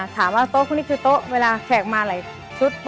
ถามว่าโต๊ะคนนี้คือโต๊ะเวลาแขกมาหลายชุด